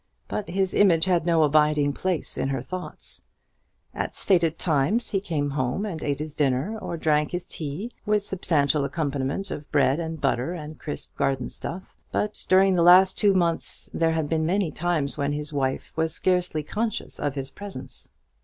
But his image had no abiding place in her thoughts. At stated times he came home and ate his dinner, or drank his tea, with substantial accompaniment of bread and butter and crisp garden stuff; but, during the last two months, there had been many times when his wife was scarcely conscious of his presence.